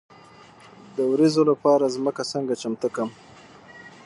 د وریجو لپاره ځمکه څنګه چمتو کړم؟